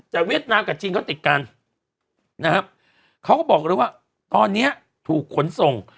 แต่เวียดนามกับจีนเขาติดกันนะครับเขาก็บอกเลยว่าตอนนี้ถูกขนส่ง